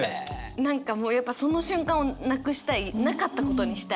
何かもうやっぱその瞬間をなくしたいなかったことにしたい。